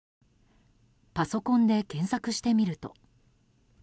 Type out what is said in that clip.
パソコンで検索してみると。